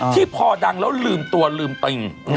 ที่พอดังแล้วลืมตัวลืมตึง